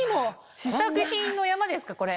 試作品の山ですかこれ。